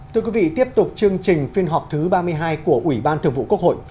thưa quý vị tiếp tục chương trình phiên họp thứ ba mươi hai của ủy ban thường vụ quốc hội